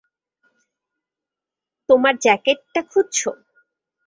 তোমার জ্যাকেটটা খুঁজছ?